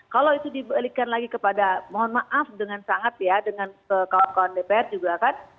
kalau itu dibalikkan lagi kepada mohon maaf dengan sangat ya dengan kawan kawan dpr juga kan